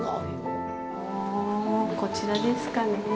ほぉ、こちらですかねぇ？